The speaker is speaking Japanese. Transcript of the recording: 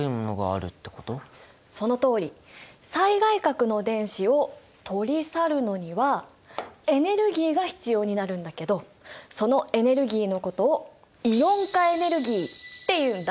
最外殻の電子を取り去るのにはエネルギーが必要になるんだけどそのエネルギーのことをイオン化エネルギーっていうんだ。